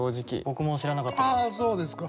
僕も知らなかったです。